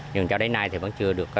nhưng cho đến nay thì vẫn chưa được